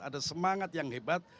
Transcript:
ada semangat yang hebat